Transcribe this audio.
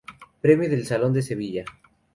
Premio del Salón de Sevilla.